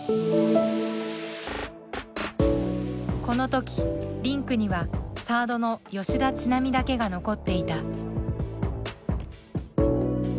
この時リンクにはサードの吉田知那美だけが残っていた。